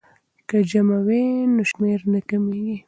که جمع وي نو شمېر نه کمیږي.